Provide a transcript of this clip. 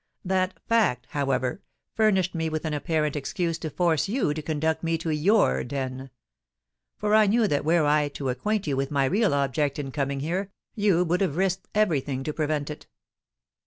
That fact, however, furnished me with an apparent excuse to force you to conduct me to your den; for I knew that were I to acquaint you with my real object in coming here, you would have risked every thing to prevent it!"